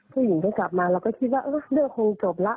ผู้หญิงก็กลับมาแล้วก็คิดว่าเออเลือกคงจบละ